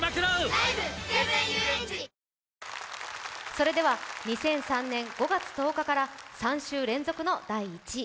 それでは２００３年５月１０日から３週連続の第１位。